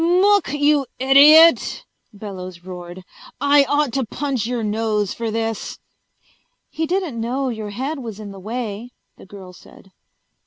"Mook, you idiot!" Bellows roared. "I ought to punch your nose for this!" "He didn't know your head was in the way," the girl said.